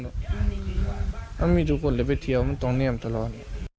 แล้วมีทุกคนเลยไปเที่ยวมันตรงเนียมตลอด